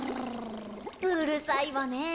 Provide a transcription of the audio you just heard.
うるさいわねえ